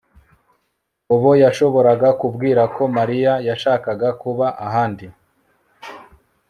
Bobo yashoboraga kubwira ko Mariya yashakaga kuba ahandi